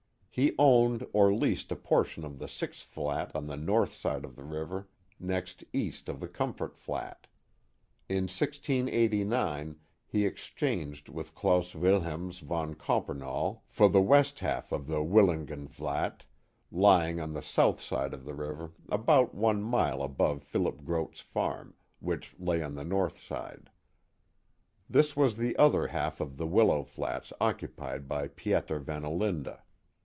He owned or leased a portion of the sixth flat on the north side of the river next east of the Comfort Flat. In 1689 he ex changed with Claus Willemse Van Coppernoll for the west i6o The Mohawk Valley half of ihe Willegen Vlaghte, lying on the south side of the river about one mile above Philip Groot's farm, which lay on the north side. This was the other half of the Willow Flats occupied by Pieter Van Olinda.